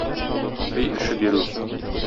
Өй эше бирү.